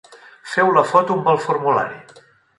Feu la foto amb el formulari.